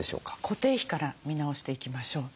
固定費から見直していきましょう。